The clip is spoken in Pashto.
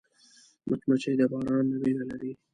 مچمچۍ د باران نه ویره لري